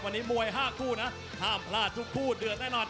วันนี้มวย๕คู่นะห้ามพลาดทุกคู่เดือดแน่นอน